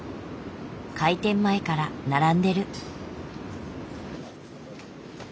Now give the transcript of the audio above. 開店前から並んでる。